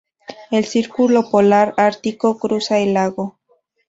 El círculo polar ártico cruza el lago.